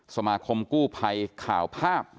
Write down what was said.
สมาคมกู้ภัยข่าวภาพ